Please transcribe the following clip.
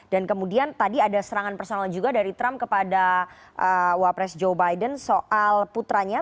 dan kemudian tadi ada serangan personal juga dari trump kepada wapres joe biden soal putranya